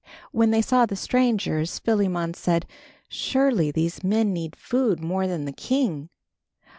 When they saw the strangers, Philemon said, "Surely these men need food more than the king."